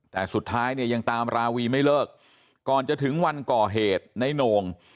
แต่สุดท้ายเนี่ยยังตามราวีไม่เลิกก่อนจะถึงวันก่อเหตุในโหน่ง